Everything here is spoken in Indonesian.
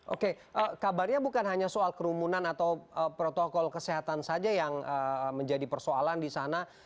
oke kabarnya bukan hanya soal kerumunan atau protokol kesehatan saja yang menjadi persoalan di sana